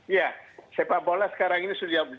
ya sepak bola sekarang ini sudah